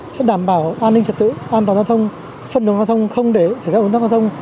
sẽ đảm bảo an ninh trật tự an toàn giao thông phân đường giao thông không để xảy ra ồn tắc giao thông